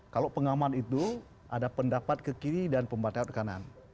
kalau pengaman itu ada pendapat ke kiri dan pembatalan ke kanan